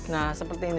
nah seperti ini